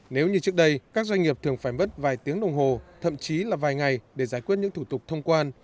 nếu như trước đây các doanh nghiệp thường phải mất vài tiếng đồng hồ thậm chí là vài ngày để giải quyết những thủ tục thông quan